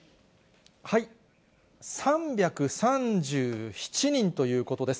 ３３７人ということです。